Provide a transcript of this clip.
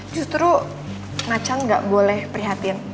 justru macan gak boleh prihatin